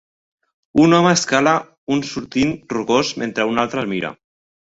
Un home escala un sortint rocós mentre un altre el mira.